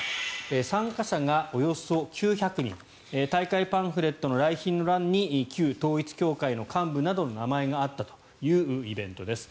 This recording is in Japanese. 参加者がおよそ９００人大会パンフレットの来賓の欄に旧統一教会の幹部などの名前があったというイベントです。